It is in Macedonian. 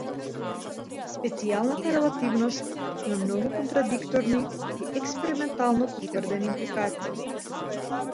Специјалната релативност има многу контрадикторни и експериментално потврдени импликации.